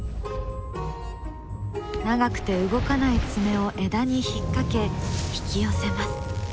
長くて動かない爪を枝に引っ掛け引き寄せます。